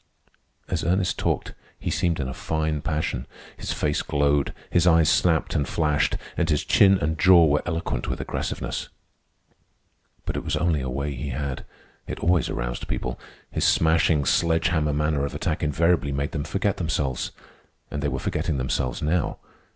As Ernest talked he seemed in a fine passion; his face glowed, his eyes snapped and flashed, and his chin and jaw were eloquent with aggressiveness. But it was only a way he had. It always aroused people. His smashing, sledge hammer manner of attack invariably made them forget themselves. And they were forgetting themselves now.